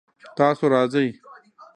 تاسو راځئ؟